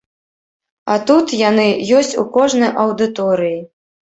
А тут яны ёсць у кожнай аўдыторыі.